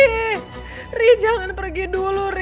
riri jangan pergi dulu riri